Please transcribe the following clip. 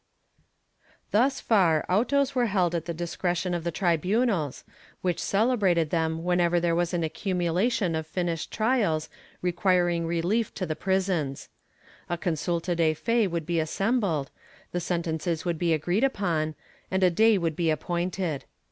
Thus far autos were held at the discretion of the tribunals, which celebrated them whenever there was an accumulation of finished trials requiring relief to the prisons. A consulta de fe would be assembled, the sentences would be agreed upon, and a day would be appointed.